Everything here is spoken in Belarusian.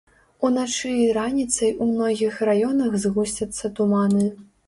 Уначы і раніцай у многіх раёнах згусцяцца туманы.